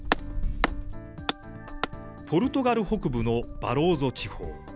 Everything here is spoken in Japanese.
ポルトガル北部のバローゾ地方。